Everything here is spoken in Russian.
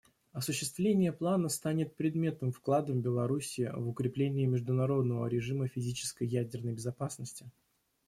Осуществление плана станет предметным вкладом Беларуси в укрепление международного режима физической ядерной безопасности.